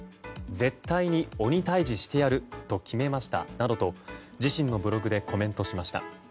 絶対に鬼退治してやると決めましたなどと自身のブログでコメントしました。